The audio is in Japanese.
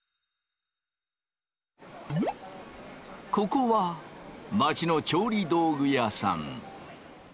ここは街の調理道具屋さん。